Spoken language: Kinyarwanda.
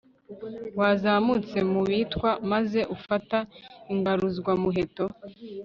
wazamutse mu bitwa, maze ufata ingaruzwamuheto